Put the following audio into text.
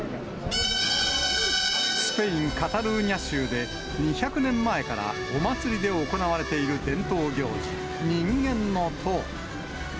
スペイン・カタルーニャ州で、２００年前からお祭りで行われている伝統行事、人間の塔。